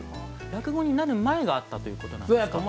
落語になる前があったということですか。